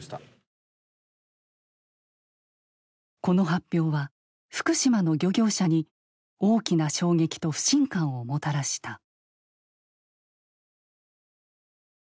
この発表は福島の漁業者に大きな衝撃と不信感をもたらした。